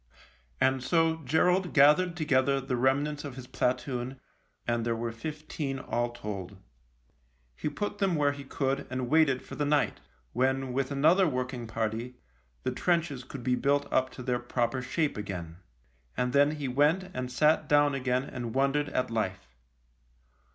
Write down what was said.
And so Gerald gathered together the rem nants of his platoon, and there were fifteen all told. He put them where he could and waited for the night, when, with another working party, the trenches could be built up to their proper shape again. And then he went and sat down again and wondered at life.